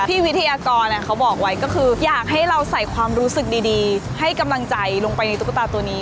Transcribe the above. วิทยากรเขาบอกไว้ก็คืออยากให้เราใส่ความรู้สึกดีให้กำลังใจลงไปในตุ๊กตาตัวนี้